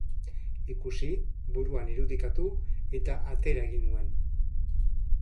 Ikusi, buruan irudikatu eta atera egin nuen.